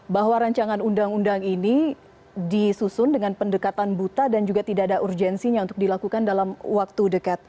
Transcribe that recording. bahwa rancangan undang undang ini disusun dengan pendekatan buta dan juga tidak ada urgensinya untuk dilakukan dalam waktu dekat